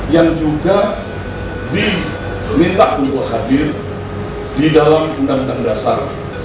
yang juga diminta untuk hadir di dalam undang undang dasar seribu sembilan ratus empat puluh lima